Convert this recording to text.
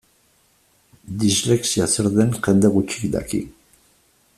Dislexia zer den jende gutxik daki.